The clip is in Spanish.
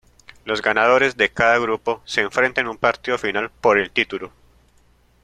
Los ganadores de cada grupo se enfrentan en un partido final por el título.